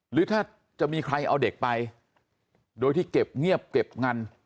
หรือถ้าจะมีใครเอาเด็กไปโดยที่เก็บเงียบเก็บเงิน